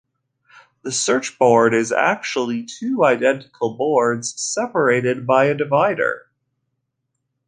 The search board is actually two identical boards separated by a divider.